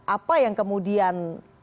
apa yang kemudian